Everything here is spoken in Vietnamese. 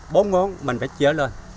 bốn ngón mình phải chở lên